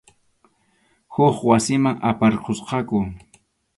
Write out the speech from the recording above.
Huk wasiman aparqusqaku.